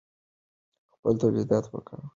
خپل تولیدات وکاروئ.